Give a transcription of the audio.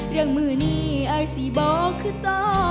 เรื่องมือนี้อาจสิบอกคือต่อ